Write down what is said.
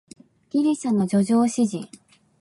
ギリシャの叙情詩人